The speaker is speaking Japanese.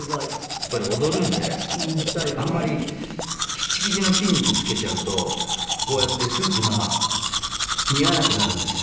やっぱり踊るんであんまりキッチキチの筋肉つけちゃうとこうやってスーツが似合わなくなるんですね。